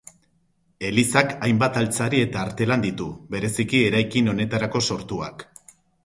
Elizak hainbat altzari eta artelan ditu, bereziki eraikin honetarako sortuak.